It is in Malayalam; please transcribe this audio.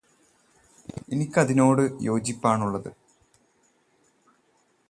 എനിക്കതിനോടു യോജിപ്പാണുള്ളത്.